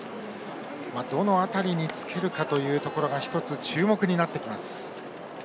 どの辺りにつけるかというところが一つ、注目になってきます。